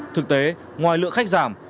thực tế ngoài lượng khách giảm